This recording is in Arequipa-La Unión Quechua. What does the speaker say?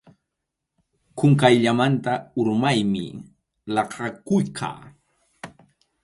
Qunqayllamanta urmaymi laqʼakuyqa.